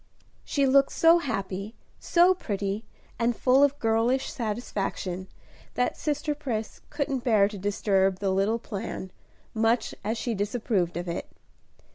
She looked so happy, so pretty, and full of girlish satisfaction, that sister Pris couldn't bear to disturb the little plan, much as she disapproved of it.